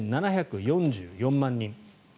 ９７４４万人。